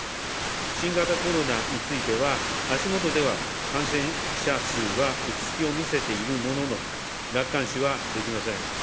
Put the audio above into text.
新型コロナについては、足元では感染者数は落ち着きを見せているものの、楽観視はできません。